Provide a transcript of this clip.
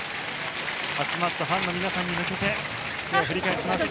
集まったファンの皆さんに向けて手を振り返します。